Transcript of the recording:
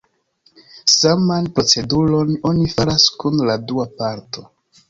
Saman proceduron oni faras kun la dua parto.